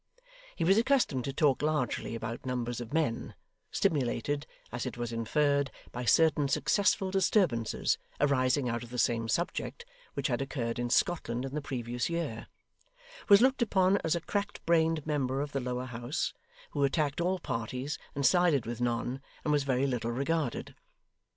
He was accustomed to talk largely about numbers of men stimulated, as it was inferred, by certain successful disturbances, arising out of the same subject, which had occurred in Scotland in the previous year; was looked upon as a cracked brained member of the lower house, who attacked all parties and sided with none, and was very little regarded.